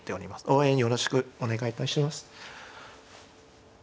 応援よろしくお願いいたします。